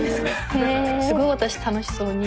すごい私楽しそうに。